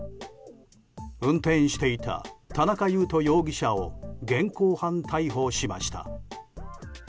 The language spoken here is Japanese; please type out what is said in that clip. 運転していた田中優斗容疑者を現行犯逮捕しました。